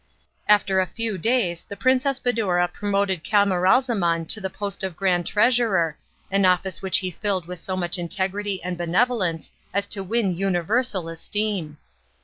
After a few days the Princess Badoura promoted Camaralzaman to the post of grand treasurer, an office which he filled with so much integrity and benevolence as to win universal esteem.